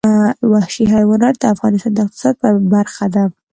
وحشي حیوانات د افغانستان د اقتصاد برخه ده.